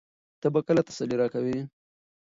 ته به کله تسلي راکوې؟